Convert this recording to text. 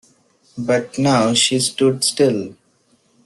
But now she stood still.